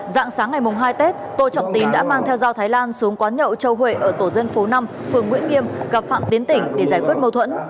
dạng sáng ngày mùng hai tết tô trọng tín đã mang theo dao thái lan xuống quán nhậu châu huệ ở tổ dân phố năm phường nguyễn nghiêm gặp phạm tiến tỉnh để giải quyết mâu thuẫn